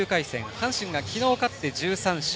阪神が昨日、勝って１３勝。